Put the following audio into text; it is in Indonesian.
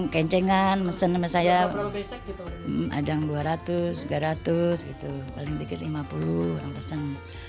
pertama kemampuan kantor